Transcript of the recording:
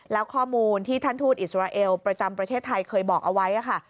แล้วข้อมูลที่ท่านทูตอิสราเอลประจำประเทศไทยเคยบอกเอาไว้ค่ะ